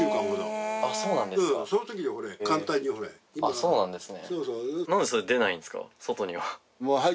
そうなんですね。